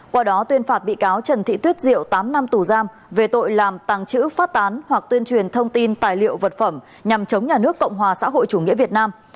qua đó tuyên phạt bị cáo trần thị tuyết diệu tám năm tù giam về tội làm tàng trữ phát tán hoặc tuyên truyền thông tin tài liệu vật phẩm nhằm chống nhà nước cộng hòa xã hội chủ nghĩa việt nam